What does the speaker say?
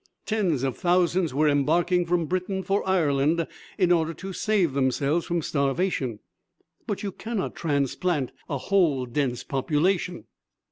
Tens of thousands were embarking from Britain for Ireland in order to save themselves from starvation. But you cannot transplant a whole dense population.